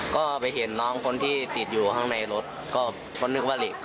ก็ไปเห็นน้องคนที่ติดอยู่ข้างในรถก็นึกว่าเหล็ก